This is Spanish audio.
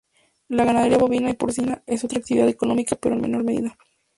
La ganadería bovina y porcina, es otra actividad económica pero en menor medida.